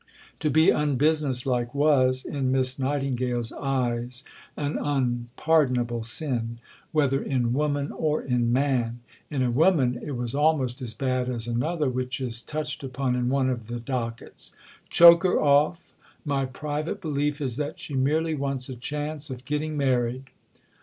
To be unbusiness like was, in Miss Nightingale's eyes, an unpardonable sin, whether in woman or in man; in a woman, it was almost as bad as another which is touched upon in one of the dockets: "Choke her off; my private belief is that she merely wants a chance of getting married."